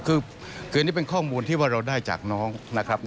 คืออันนี้เป็นข้อมูลที่ว่าเราได้จากน้องนะครับ